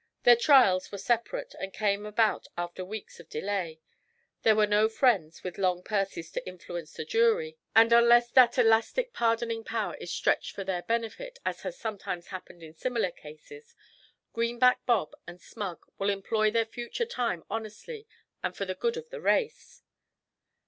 Their trials were separate, and came about after weeks of delay. There were no friends with long purses to 'influence' the jury, and unless that elastic pardoning power is stretched for their benefit, as has sometimes happened in similar cases, Greenback Bob and Smug will employ their future time honestly and for the good of the race.